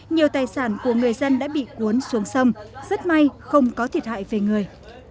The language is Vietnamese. nhiều tài sản của người dân đã bị cuốn xuống sông rất may không có thiệt hại về người